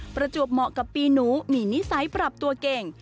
ประจวบเหมาะกับปีหนูมีนิสัยปรับตัวเก่ง